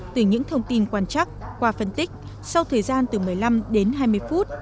từ những thông tin quan chắc qua phân tích sau thời gian từ một mươi năm đến hai mươi phút